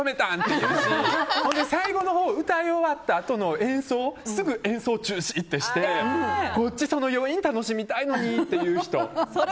言うし最後のほう歌い終わったあとの演奏すぐ演奏中止ってしてこっちはその余韻楽しみたいのにっていう人。